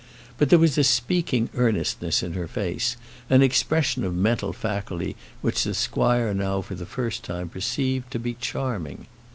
But there was a speaking earnestness in her face; an expression of mental faculty which the squire now for the first time perceived to be charming.